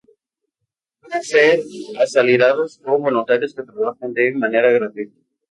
Pueden ser asalariados o voluntarios que trabajan de manera gratuita.